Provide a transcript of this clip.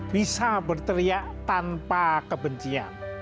bisa berteriak tanpa kebencian